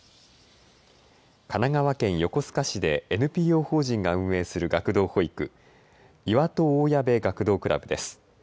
神奈川県横須賀市でＮＰＯ法人が運営する学童保育、岩戸大矢部学童クラブです。